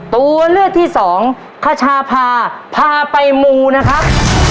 ตัวเลือกที่สองคชาพาพาไปมูนะครับ